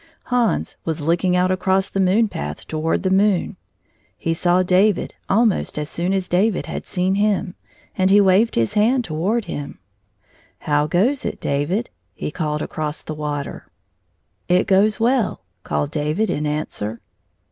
Hans was looking out across the moon path toward the moon. He saw David almost as soon as David had seen him, and he waved his hand toward him. "How goes it, David?" he called across the water. " It goes well," called David in answer.